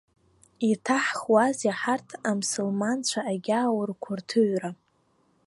Иҭаҳхуазеи ҳарҭ амсылманцәа агьааурқәа рҭыҩра!